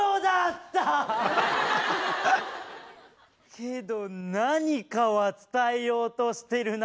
けど何かは伝えようとしてるな。